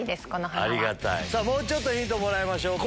もうちょっとヒントもらいましょう。